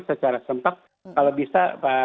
secara sempat kalau bisa